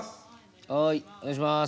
はいお願いします。